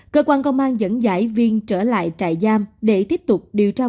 cơ quan công an dẫn dãi viên trở lại trại giam để tiếp tục điều tra vụ án